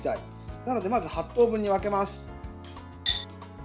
なので、まず８等分に分けます。